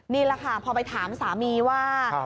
นี่แหละค่ะพอไปถามสามีว่า